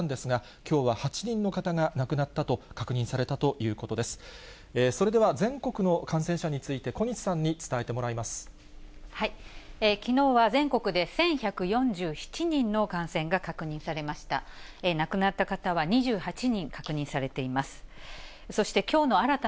きのうは全国で１１４７人の感染が確認されました。